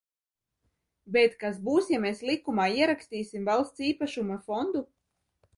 Bet, kas būs, ja mēs likumā ierakstīsim Valsts īpašuma fondu?